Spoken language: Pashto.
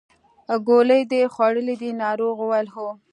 ګولۍ دې خوړلې دي ناروغ وویل هو.